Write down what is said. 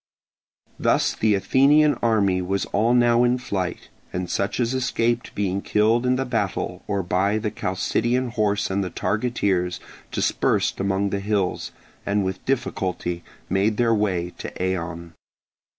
Thus the Athenian army was all now in flight; and such as escaped being killed in the battle, or by the Chalcidian horse and the targeteers, dispersed among the hills, and with difficulty made their way to Eion.